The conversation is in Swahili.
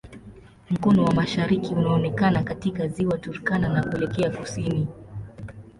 Mkono wa mashariki unaonekana katika Ziwa Turkana na kuelekea kusini.